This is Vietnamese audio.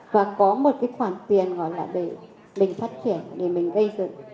và có một cái khoản tiền gọi là để mình phát triển để mình gây dựng